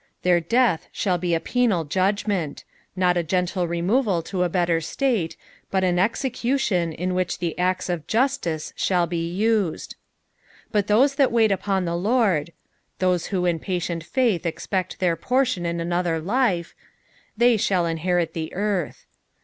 Their death eholl be a penal judg ment ; not a gentle removal to a better state, but an execution in which the ■xe of justice shall be used. ^' But thoie that uait upon the Lord"— t\ioat who in patient faith expect their portion in another Wfe^" tltey thall inherit the earth.'''